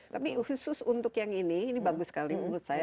tapi khusus untuk yang ini ini bagus sekali menurut saya